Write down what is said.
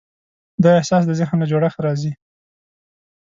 دا احساس د ذهن له جوړښت راځي.